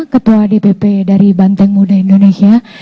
ketua dpp dari banteng muda indonesia